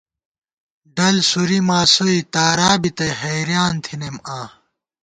ڈل سُوری ماسوئےتارا بی تئ حیریان تھنَئیم آں